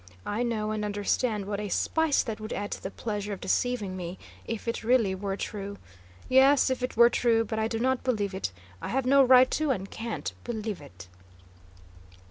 I know and understand what a spice that would add to the pleasure of deceiving me, if it really were true. Yes, if it were true, but I do not believe it. I have no right to, and can't, believe it."